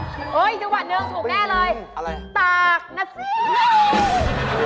จังหวัดหนึ่งถูกแน่เลยตากนัสซี